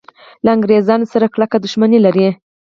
له انګریزانو سره کلکه دښمني لري.